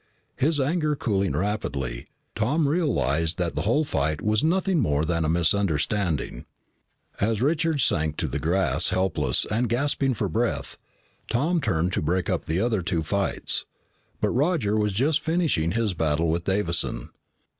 His anger cooling rapidly, Tom realized that the whole fight was nothing more than a misunderstanding. As Richards sank to the grass helpless and gasping for breath, Tom turned to break up the other two fights. But Roger was just finishing his battle with Davison.